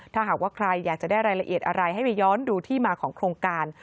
ถ้าหากว่าใครอยากจะได้รายละเอียดอะไรให้ไปย้อนดูที่มาของโครงการ